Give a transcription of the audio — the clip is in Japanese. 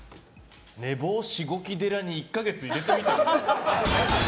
寝坊しごき寺に１か月入れてみては？